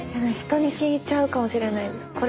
人に聞いちゃうかもしれないです。